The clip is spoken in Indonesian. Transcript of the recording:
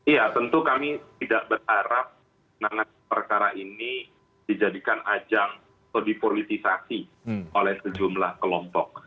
iya tentu kami tidak berharap menangani perkara ini dijadikan ajang atau dipolitisasi oleh sejumlah kelompok